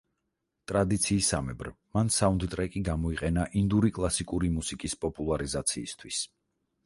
ტრადიციისამებრ, მან საუნდტრეკი გამოიყენა ინდური კლასიკური მუსიკის პოპულარიზაციისთვის.